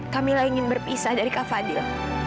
kamilah ingin berpisah dari ka fadil